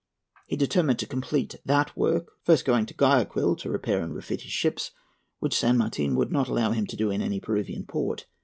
He determined to complete that work, first going to Guayaquil to repair and refit his ships, which San Martin would not allow him to do in any Peruvian port.